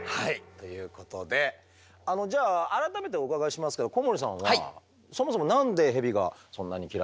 ということでじゃあ改めてお伺いしますけど小森さんはそもそも何でヘビがそんなに嫌いなんだってありますか？